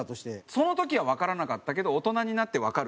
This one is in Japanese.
その時はわからなかったけど大人になってわかる事とかね。